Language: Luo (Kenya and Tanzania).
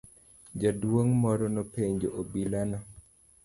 Jaduong' moro nopenjo obila no.